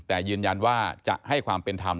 แต่ยืนยันว่าจะให้ความเป็นธรรม